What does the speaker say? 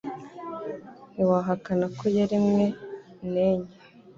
Ntiwahakana ko yaremwe n' enye